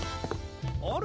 あれ？